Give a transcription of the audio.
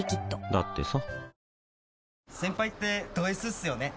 だってさ